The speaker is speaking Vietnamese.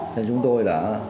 nên chúng tôi đã